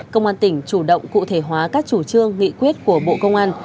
công an tỉnh chủ động cụ thể hóa các chủ trương nghị quyết của bộ công an